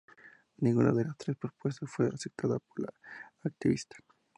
Ninguna de las tres propuestas fue aceptada por la activista.